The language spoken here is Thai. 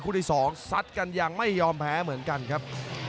ที่สองซัดกันยังไม่ยอมแพ้เหมือนกันครับ